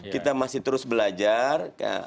kita masih terus belajar